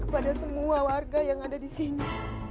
pada semua warga yang ada di sini